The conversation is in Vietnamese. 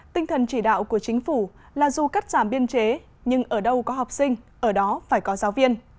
tinh thần chỉ đạo của chính phủ là dù cắt giảm biên chế nhưng ở đâu có học sinh ở đó phải có giáo viên